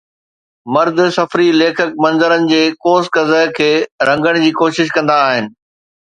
مرد سفري ليکڪ منظرن جي قوس قزح کي رنگڻ جي ڪوشش ڪندا آهن